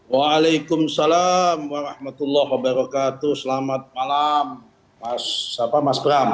waalaikumsalam warahmatullahi wabarakatuh selamat malam mas bram